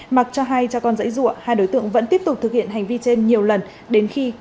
mặc cho hai cha con dãy ruột hai đối tượng vẫn tiếp tục thực hiện hành vi trên nhiều lần đến khi cả hai nạn nhân tử vong